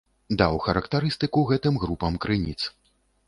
Даў характарыстыку гэтым групам крыніц.